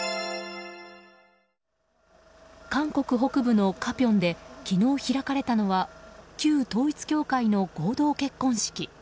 韓国北部のカピョンで昨日開かれたのは旧統一教会の合同結婚式。